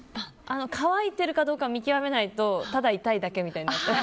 乾いてるかどうかを見極めないとただ痛いだけみたいになって。